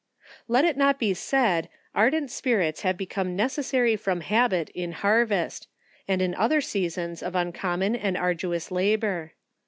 Let it not be said, ardent spirits have become necessary from habit in harvest, and in other seasons of uncommon and arduous labour.